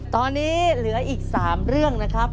ตอนนี้เหลืออีก๓เรื่องนะครับ